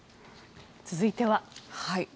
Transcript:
続いては。